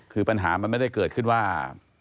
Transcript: คือปัญหามันไม่ได้เกิดขึ้นว่า